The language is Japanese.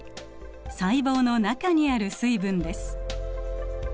細胞の中にある水分です。